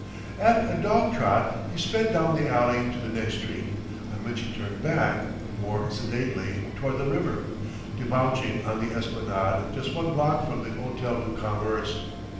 At a dog trot he sped down the alley to the next street, on which he turned back more sedately toward the river, debouching on the esplanade just one block from the Hôtel du Commerce.